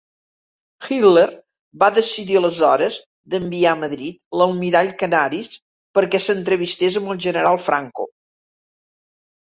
Hitler va decidir aleshores d'enviar a Madrid l'almirall Canaris perquè s'entrevistés amb el general Franco.